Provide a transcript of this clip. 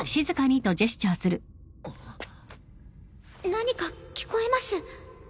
何か聞こえます。